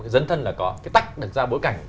dân thân là có cái tách được ra bối cảnh